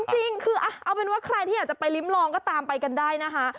จริงคือเอาเป็นว่าใครที่อยากจะไปริ้มลองก็ตามไปกันได้นะคะ